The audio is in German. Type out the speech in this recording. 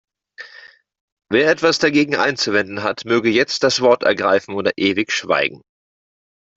Wer etwas dagegen einzuwenden hat, möge jetzt das Wort ergreifen oder ewig schweigen.